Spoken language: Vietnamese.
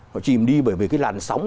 họ chìm đi bởi vì cái làn sóng